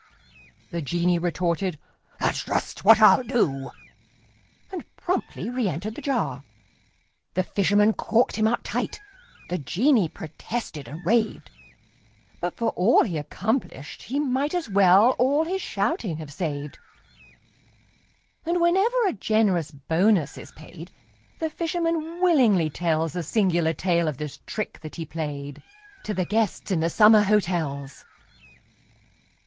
The genie retorted: "That's just what I'll do!" And promptly reëntered the jar. The fisherman corked him up tight: The genie protested and raved, But for all he accomplished, he might As well all his shouting have saved. And, whenever a generous bonus is paid, The fisherman willingly tells The singular tale of this trick that he played, To the guests in the summer hotels.